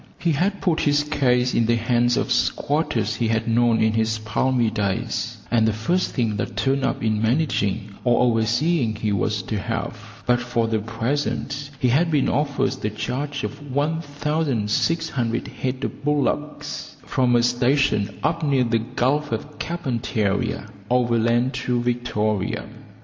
He had put his case in the hands of squatters he had known in his palmy days, and the first thing that turned up in managing or overseeing he was to have; but for the present he had been offered the charge of 1600 head of bullocks from a station up near the Gulf of Carpentaria overland to Victoria.